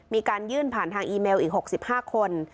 มีการยื่นผ่านทางอีเมลอีก๖๕คน